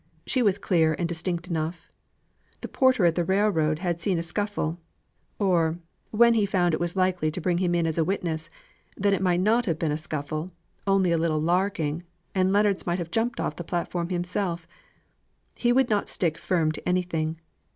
She was clear and distinct enough; the porter at the railroad had seen a scuffle! or when he found it was likely to bring him in as a witness, then it might not have been a scuffle, only a little larking, and Leonards might have jumped off the platform himself; he would not stick firm to anything.